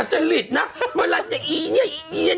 ฮี่ยิ้นชีวิต